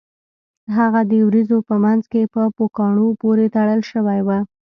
هغه د ورېځو په مینځ کې په پوکاڼو پورې تړل شوی و